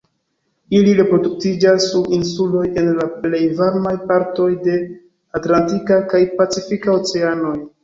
Ili reproduktiĝas sur insuloj en la plej varmaj partoj de Atlantika kaj Pacifika Oceanoj.